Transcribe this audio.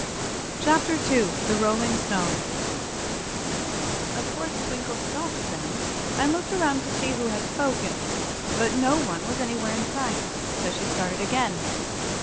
Chapter II The Rolling Stone OF course Twinkle stopped then, and looked around to see who had spoken. But no one was anywhere in sight. So she started on again.